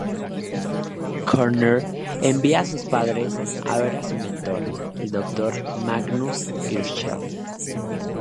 Körner envía sus padres a ver a su mentor, el Dr. Magnus Hirschfeld.